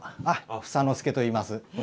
房の輔といいます。